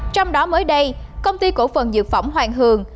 trong đó mới đây công ty cổ phần dược phẩm hoàng hường